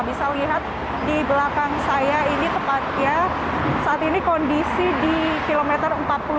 bisa lihat di belakang saya ini tepatnya saat ini kondisi di kilometer empat puluh tujuh